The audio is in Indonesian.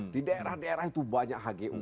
di daerah daerah itu banyak hgu